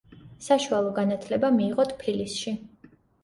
საშუალო განათლება მიიღო ტფილისში.